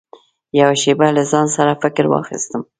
يوه شېبه له ځان سره فکر واخيستم .